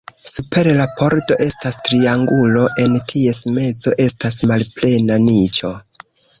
Super la pordo estas triangulo, en ties mezo estas malplena niĉo.